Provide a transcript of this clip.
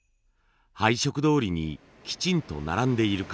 配色どおりにきちんと並んでいるか。